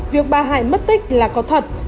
việc bà hải mất tích là có thật